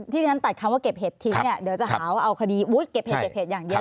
ที่ฉันตัดคำว่าเก็บเห็ดทิ้งเนี่ยเดี๋ยวจะหาว่าเอาคดีอุ๊ยเก็บเห็ดเก็บเห็ดอย่างเดียว